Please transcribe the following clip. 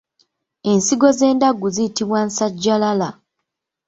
Ensigo z’endaggu ziyitibwa Nsajjalala.